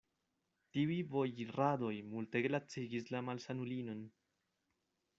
Tiuj vojiradoj multege lacigis la malsanulinon.